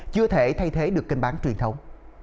chưa thể thay thế được kênh bán truyền thống